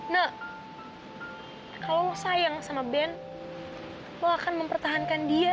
nah kalau sayang sama ben bahkan mempertahankan dia